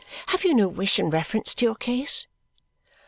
"Have you no wish in reference to your case?"